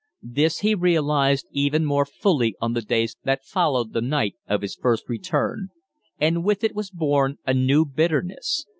This he realized even more fully on the days that followed the night of his first return; and with it was born a new bitterness.